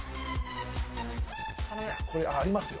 これありますよ。